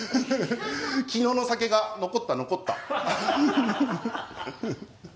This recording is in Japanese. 昨日の酒が残った残った。